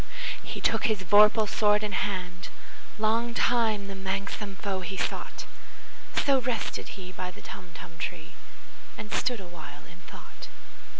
He took his vorpal sword in hand:Long time the manxome foe he sought—So rested he by the Tumtum tree, And stood awhile in thought.